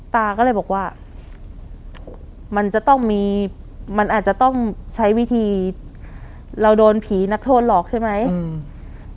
ตาก็เลยบอกว่ามันจะต้องมีมันอาจจะต้องใช้วิธีเราโดนผีนักโทษหลอกใช่ไหมอืม